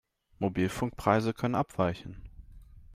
Mobilfunkpreise können abweichen.